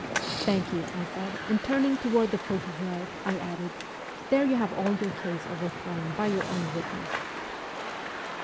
' Thank you,' I said, and turning toward the pro cureur 1 added, ' There you have all your case over thrown by your own witness